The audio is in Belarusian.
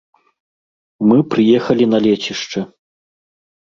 Мы прыехалі на лецішча.